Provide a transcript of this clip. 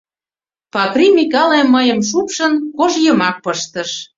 Пакри Микале, мыйым шупшын, кож йымак пыштыш.